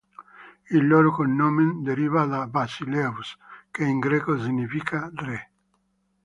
Il loro "cognomen" deriva da "basileus", che in greco significa "re".